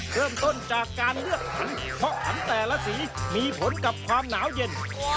เริ่มต้นจากการเลือกขันเพราะขันแต่ละสีมีผลกับความหนาวเย็น